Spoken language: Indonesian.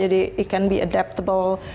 jadi it can be adaptable